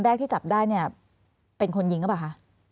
แรกที่จับได้เนี่ยเป็นคนยิงหรือเปล่าคะ